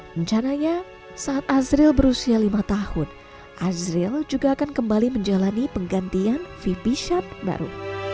rencananya saat azril berusia lima tahun azril juga akan kembali menjalani penggantian vp shop baru